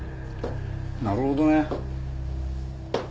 なるほどね。